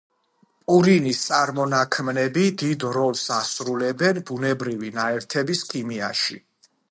პურინის წარმონაქმნები დიდ როლს ასრულებენ ბუნებრივი ნაერთების ქიმიაში.